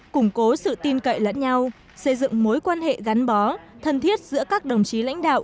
củng cố sự tin cậy lẫn nhau xây dựng mối quan hệ gắn bó thân thiết giữa các đồng chí lãnh đạo